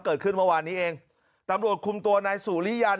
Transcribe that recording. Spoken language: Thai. เกิดขึ้นเมื่อวานนี้เองตำรวจคุมตัวนายสุริยัน